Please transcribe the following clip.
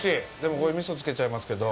これ味噌つけちゃいますけど。